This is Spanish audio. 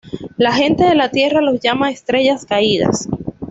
La gente de la tierra los llama estrellas caídas.